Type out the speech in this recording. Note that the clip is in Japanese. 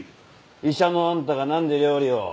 医者のあんたがなんで料理を？